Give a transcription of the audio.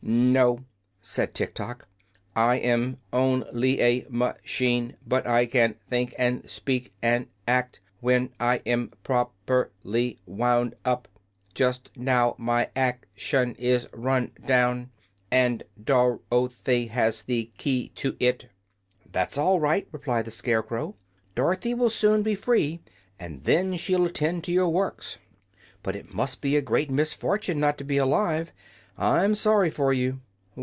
"No," said Tiktok, "I am on ly a ma chine. But I can think and speak and act, when I am pro per ly wound up. Just now my ac tion is run down, and Dor o thy has the key to it." "That's all right," replied the Scarecrow. "Dorothy will soon be free, and then she'll attend to your works. But it must be a great misfortune not to be alive. I'm sorry for you."